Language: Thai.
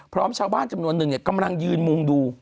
พร้อมชาวบ้านจำนวนหนึ่งกำลังยืนมุงดู